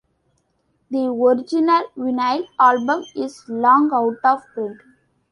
The original vinyl album is long out of print.